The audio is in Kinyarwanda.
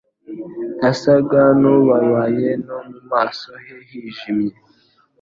Yasaga n'ubabaye no mu maso he hijimye.